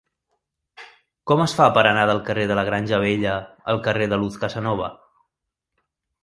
Com es fa per anar del carrer de la Granja Vella al carrer de Luz Casanova?